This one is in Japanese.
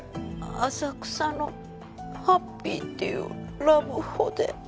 浅草のハッピーっていうラブホで。